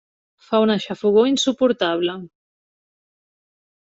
Fa una xafogor insuportable.